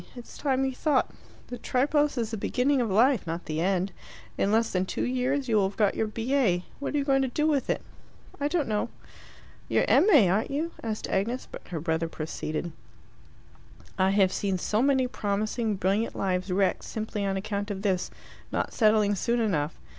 It's time you thought. The Tripos is the beginning of life, not the end. In less than two years you will have got your B.A. What are you going to do with it?" "I don't know." "You're M.A., aren't you?" asked Agnes; but her brother proceeded "I have seen so many promising, brilliant lives wrecked simply on account of this not settling soon enough.